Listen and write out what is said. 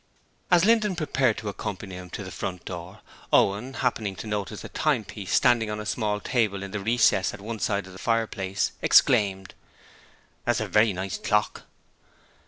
As Linden prepared to accompany him to the front door, Owen, happening to notice a timepiece standing on a small table in the recess at one side of the fireplace, exclaimed: 'That's a very nice clock.'